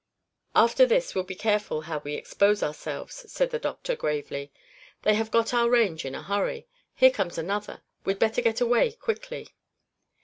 "After this we'll be careful how we expose ourselves," said the doctor gravely. "They have got our range in a hurry. Here comes another; we'd better get away quickly."